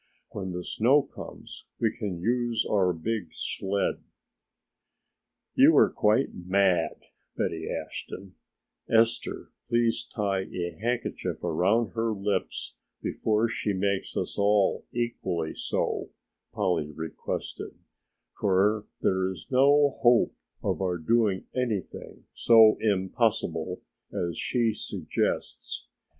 When the snow comes we can use our big sled." "You are quite mad, Betty Ashton; Esther, please tie a handkerchief around her lips before she makes us all equally so," Polly requested, "for there is no hope of our doing anything so impossible, as she suggests."